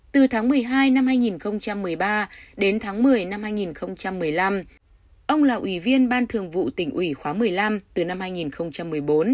từ tháng một mươi hai năm hai nghìn một mươi ba đến tháng một mươi năm hai nghìn một mươi năm ông là ủy viên ban thường vụ tỉnh ủy khóa một mươi năm từ năm hai nghìn một mươi bốn